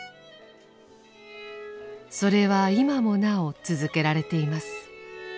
それは今もなお続けられています。